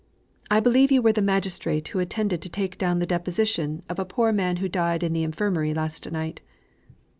I believe you were the magistrate who attended to take down the deposition of a poor man who died in the Infirmary last night."